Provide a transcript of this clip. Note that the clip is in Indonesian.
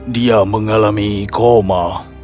dia mengalami koma